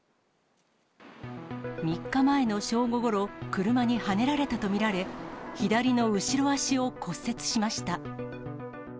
３日前の正午ごろ、車にはねられたと見られ、左の後ろ足を骨折しました。